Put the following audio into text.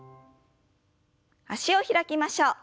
脚を開きましょう。